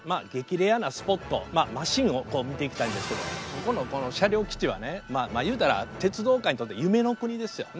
レアなスポットマシンを見ていきたいんですけどもここのこの車両基地はね言うたら鉄道界にとって夢の国ですよね